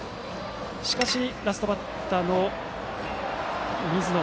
しかし、ラストバッターの水野。